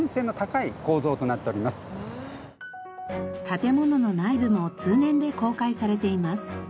建物の内部も通年で公開されています。